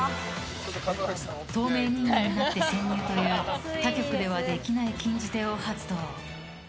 透明人間になって、潜入という他局ではできない禁じ手を発動！